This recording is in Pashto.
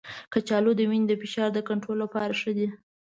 کچالو د وینې د فشار د کنټرول لپاره ښه دی.